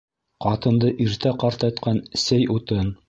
Ҡатынды иртә ҡартайтҡан сей утын.